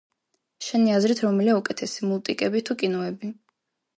შენი აზრით რომელია უკეთესი მულტიკები თუ კინოები